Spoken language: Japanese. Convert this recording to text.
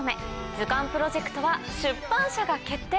図鑑プロジェクトは出版社が決定。